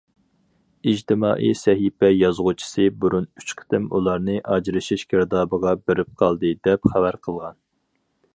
ئىجتىمائىي سەھىپە يازغۇچىسى بۇرۇن ئۈچ قېتىم ئۇلارنى« ئاجرىشىش گىردابىغا بېرىپ قالدى» دەپ خەۋەر قىلغان.